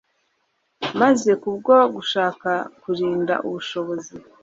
maze kubwo gushaka kurinda ubushobozi